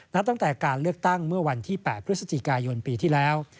นับตั้งแต่การเลือกตั้งเมื่อวันที่๘พฤศจิกายนปีที่แล้ว